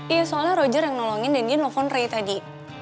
iya soalnya roger yang nolongin dan dia nelfon ray tadi